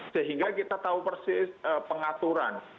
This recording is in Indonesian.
sehingga kita tahu persis pengaturan